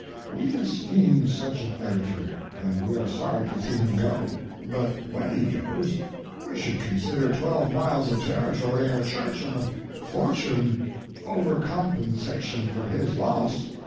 We esteem such an editor, and we are sorry to see him go; but, when he goes, we should consider twelve miles of territory, and a church, and a fortune, over compensation for his loss.